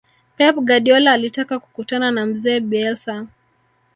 pep guardiola alitaka kukutana na mzee bielsa